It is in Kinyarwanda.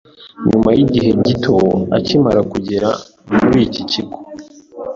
nyuma y’igihe gito akimara kugera muri iki kigo,